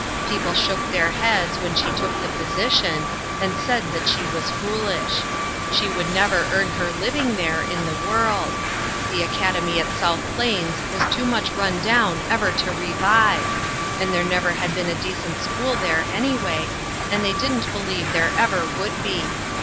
People shook their heads when she took the posi tion, and said that she was foolish. She would never earn her living there in the world; the academy at South Plains was too much run down ever to revive, and there never . had been a decent school there anyway, and they didn't believe there ever would be.